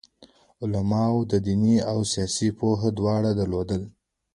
علماوو دیني او سیاسي پوهه دواړه درلوده.